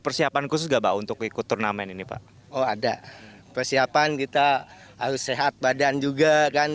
persiapan khusus nggak pak untuk ikut turnamen ini pak oh ada persiapan kita harus sehat badan juga kan